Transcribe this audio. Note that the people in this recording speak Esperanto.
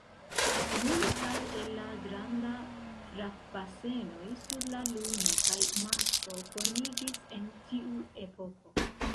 Multaj el la granda frapbasenoj sur la Luno kaj Marso formiĝis en tiu epoko.